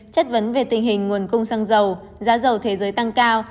chất vấn về tình hình nguồn cung xăng dầu giá dầu thế giới tăng cao